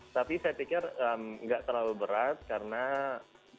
tapi saya pikir tidak terlalu berat karena cuaca